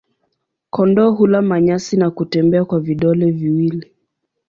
Kondoo hula manyasi na kutembea kwa vidole viwili.